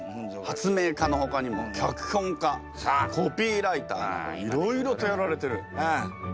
家のほかにも脚本家コピーライターなどいろいろとやられてる。